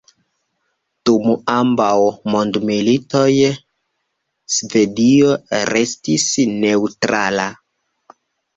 Dum ambaŭ mondmilitoj Svedio restis neŭtrala.